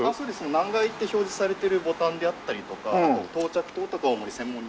何階って表示されてるボタンであったりとか到着灯とかを主に専門につくってる会社です。